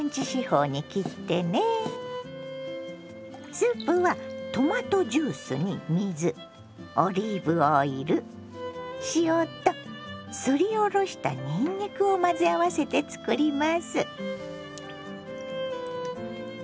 スープはトマトジュースに水オリーブオイル塩とすりおろしたにんにくを混ぜ合わせて作ります。